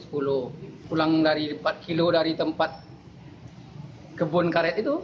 pulang dari empat kilo dari tempat kebun karet itu